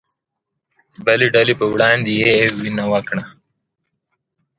د بلې ډلې په وړاندې يې وينه وکړه